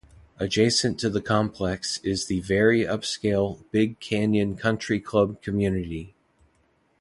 Adjacent to the complex is the very upscale Big Canyon Country Club community.